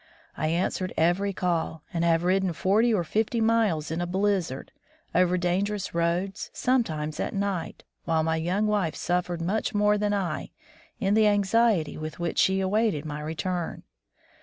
I answered every call, and have ridden forty or fifty miles in a blizzard, over dangerous roads, sometimes at night, while my young wife suffered much more than I in the anxiety with which she awaited my return.